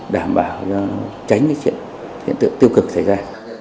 đảm bảo tránh những hiện tượng tiêu cực xảy ra